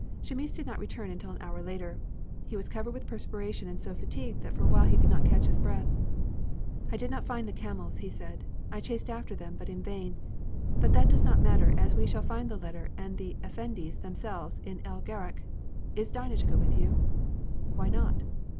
Chamis did not return until an hour later; he was covered with perspiration and so fatigued that for a while he could not catch his breath. "I did not find the camels," he said. "I chased after them, but in vain. But that does not matter as we shall find the letter and the effendis themselves in El Gharak. Is Dinah to go with you?" "Why not?"